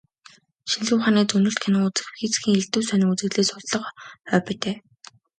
Шинжлэх ухааны зөгнөлт кино үзэх, физикийн элдэв сонин үзэгдлийг судлах хоббитой.